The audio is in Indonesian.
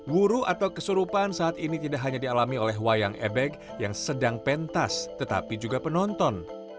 wuru atau kesurupan saat ini tidak hanya dialami oleh wayang ebek yang sedang pentas tetapi juga penonton